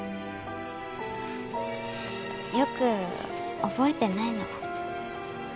よく覚えてないの。